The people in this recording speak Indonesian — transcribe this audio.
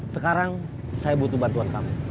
sekarang saya butuh bantuan kamu